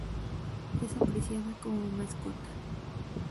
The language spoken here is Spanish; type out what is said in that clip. Es apreciada como mascota.